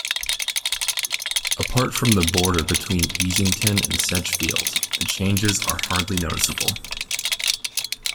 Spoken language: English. Apart from the border between Easington and Sedgefield, the changes are hardly noticeable.